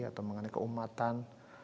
atau mengenai keumatan